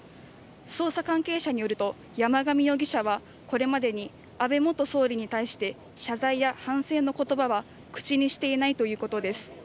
捜査関係者によると山上容疑者はこれまでに安倍元総理に対して、謝罪や反省のことばは口にしていないということです。